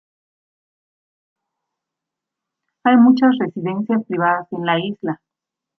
Hay muchas residencias privadas en la isla.